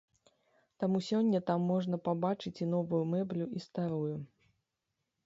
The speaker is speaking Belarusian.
Таму сёння там можна пабачыць і новую мэблю, і старую.